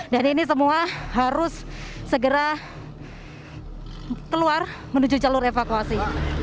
dan ini semua harus segera keluar menuju jalur evakuasi